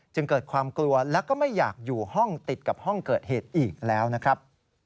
จึงเกิดความกลัวและก็ไม่อยากอยู่ห้องติดกับห้องเกิดเหตุอีกแล้วนะครับ